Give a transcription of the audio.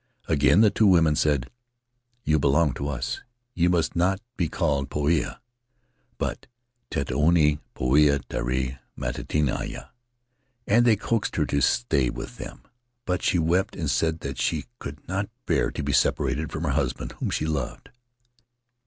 Again the two women said, 'You belong to us; you must not be called Poia, but Tetuanui Poia Terai Mateatea.' And they coaxed her to stay with them, but she wept and said that she could not bear to be separated from her husband, whom she loved.